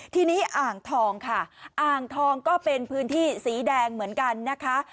ทีนี้อ่างทองค่ะอ่างทองก็เป็นพื้นที่สีแดงเหมือนกันนะคะ